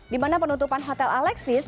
dimana penutupan hotel alexis